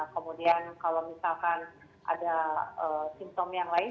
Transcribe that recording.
kemudian kalau misalkan ada simptom yang lain